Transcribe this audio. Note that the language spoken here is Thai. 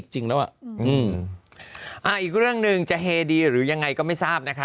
อีกเรื่องนึงจะเฮดีหรือยังไงก็ไม่ทราบ